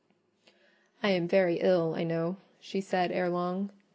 "I am very ill, I know," she said ere long.